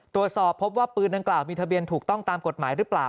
ตรวจสอบพบว่าปืนดังกล่าวมีทะเบียนถูกต้องตามกฎหมายหรือเปล่า